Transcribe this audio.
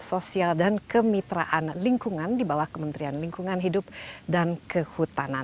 sosial dan kemitraan lingkungan di bawah kementerian lingkungan hidup dan kehutanan